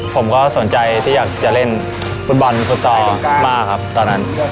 ผมก็สนใจที่อยากจะเล่นฟุตบอลฟุตซอลมากครับตอนนั้น